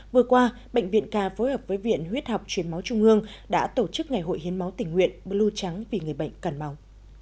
vừa qua bệnh viện ca phối hợp với viện huyết học truyền máu trung ương đã tổ chức ngày hội hiến máu tình nguyện blue trắng vì người bệnh cần máu